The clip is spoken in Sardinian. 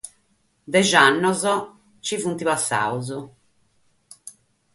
Deghe annos nch'at coladu.